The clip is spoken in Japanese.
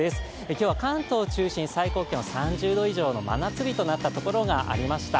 今日は関東を中心に最高気温、３０度以上の真夏日となったところがありました。